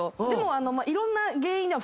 でもいろんな原因。